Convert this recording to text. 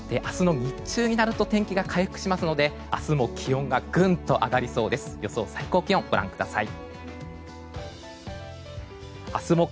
明日の日中になると天気が回復しますので明日も気温がぐんと上がりそうです。